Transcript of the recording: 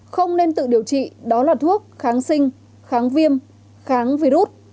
không nên tự điều trị đó là thuốc kháng sinh kháng viêm kháng virus